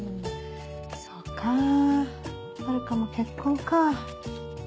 そうか遥も結婚か。